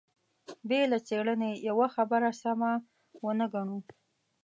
بې له څېړنې يوه خبره سمه ونه ګڼو.